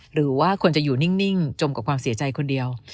หรือว่าควรจะอยู่นิ่งจมกับความเสียใจคนเดียว